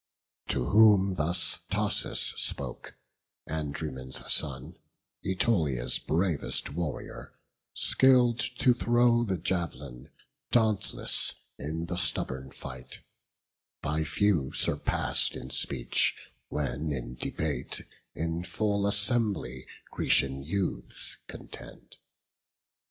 To whom thus Thoas spoke, Andraemon's son, Ætolia's bravest warrior, skill'd to throw The jav'lin, dauntless in the stubborn fight; By few surpass'd in speech, when in debate In full assembly Grecian youths contend.